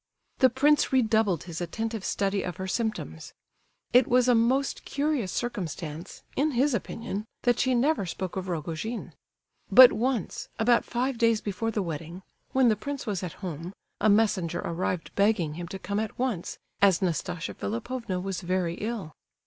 The prince redoubled his attentive study of her symptoms. It was a most curious circumstance, in his opinion, that she never spoke of Rogojin. But once, about five days before the wedding, when the prince was at home, a messenger arrived begging him to come at once, as Nastasia Philipovna was very ill.